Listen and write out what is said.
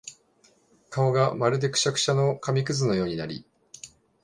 顔がまるでくしゃくしゃの紙屑のようになり、